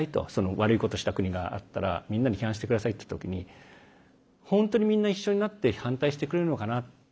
悪いことした国があったらみんなで批判してくださいって時に本当にみんな一緒になって反対してくれるのかな。